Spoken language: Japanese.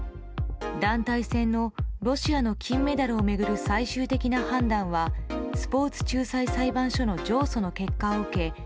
団体戦のロシアの金メダルを巡る最終的な判断はスポーツ仲裁裁判所の上訴の結果を受け